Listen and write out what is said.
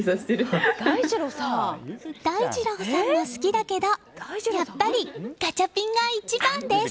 大二郎さんも好きだけどやっぱりガチャピンが一番です。